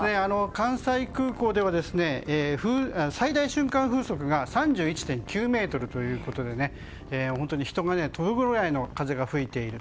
関西空港では最大瞬間風速が３１．９メートルということで本当に人が飛ぶぐらいの風が吹いている。